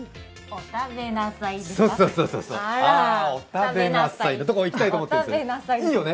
「おたべなさい」。